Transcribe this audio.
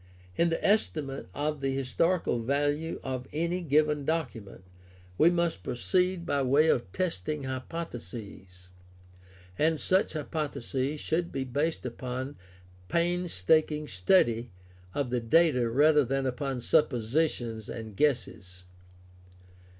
In the estimate of the historical value of any given document we must proceed by way of testing hypotheses, and such hypotheses should be based upon painstaking study of the data rather than upon suppositions and guesses.